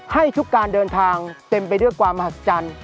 ให้ทุกการเดินทางเต็มไปด้วยความมหัศจรรย์